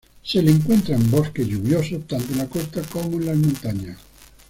Se le encuentra en bosques lluviosos tanto en la costa como en las montañas.